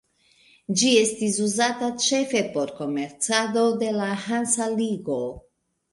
Ĝi estis uzata ĉefe por komercado de la Hansa ligo.